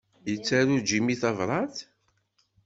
Yettaru Jimmy tabrat?